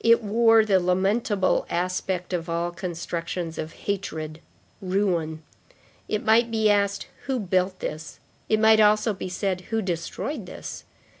It wore the lamentable aspect of all constructions of hatred, ruin. It might be asked: Who built this? It might also be said: Who destroyed this?